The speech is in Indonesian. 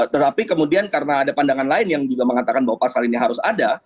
tetapi kemudian karena ada pandangan lain yang juga mengatakan bahwa pasal ini harus ada